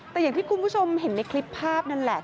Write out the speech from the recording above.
แต่อย่างที่คุณผู้ชมเห็นในคลิปภาพนั่นแหละ